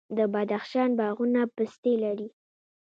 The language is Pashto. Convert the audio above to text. د بدخشان باغونه پستې لري.